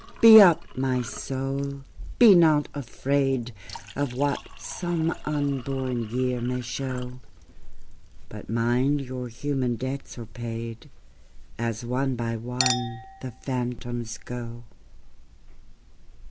Be up, my soul! nor be afraid Of what some unborn year may show; But mind your human debts are paid, As one by one the phantoms go.